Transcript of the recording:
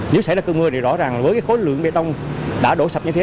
nếu xảy ra cơn mưa thì rõ ràng với khối lượng bê tông đã đổ sập như thế